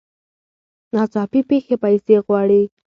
ناڅاپي پېښې پیسې غواړي.